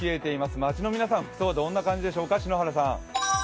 街の皆さん、服装はどんな感じでしょうか？